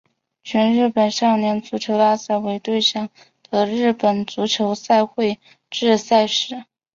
全日本少年足球大赛为对象的日本足球赛会制赛事。